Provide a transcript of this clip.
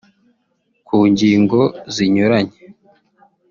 Ku ngingo zinyuranye